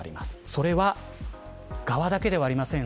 それは側だけではありません。